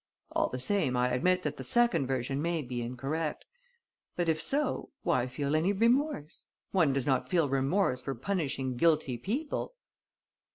All the same, I admit that the second version may be incorrect. But, if so, why feel any remorse? One does not feel remorse for punishing guilty people."